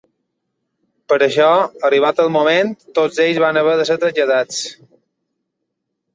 Per això, arribat el moment, tots ells van haver de ser traslladats.